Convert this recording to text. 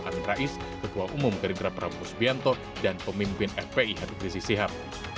andra is ketua umum gerigra prabowo sbianto dan pemimpin fpi hbk sisyahab